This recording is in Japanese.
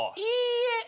いいえ。